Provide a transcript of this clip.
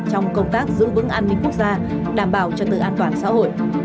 trong công tác giữ vững an ninh quốc gia đảm bảo trật tự an toàn xã hội